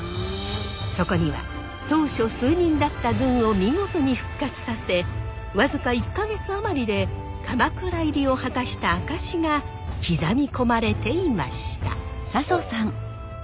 そこには当初数人だった軍を見事に復活させ僅か１か月余りで鎌倉入りを果たした証しが刻み込まれていました。